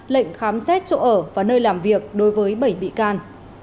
lệnh khám xét chỗ ở và nơi làm việc đối với bảy bị can